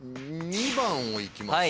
２番をいきます。